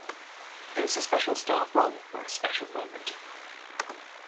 It was a special staff roll for a special moment.